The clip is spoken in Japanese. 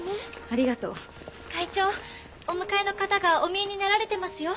ありがとう。会長お迎えの方がおみえになられてますよ。